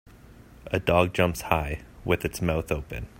A dog jumps high, with its mouth open.